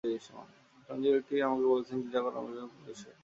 সন্দীপ একদিন আমাকে বলেছিলেন, দ্বিধা করাটা মেয়েদের প্রকৃতি নয়।